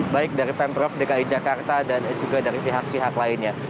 baik dari pemprov dki jakarta dan juga dari pihak pihak lainnya